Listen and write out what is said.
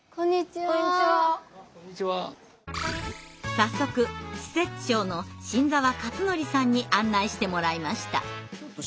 早速施設長の新澤克憲さんに案内してもらいました。